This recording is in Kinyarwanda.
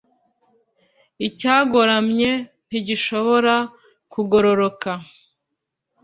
icyagoramye ntigishobora kugororoka